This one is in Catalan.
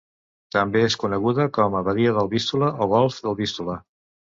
També és coneguda com a badia del Vístula o golf del Vístula.